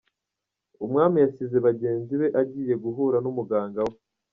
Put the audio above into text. Umwami yasize bagenzi be agiye guhura n’umuganga we.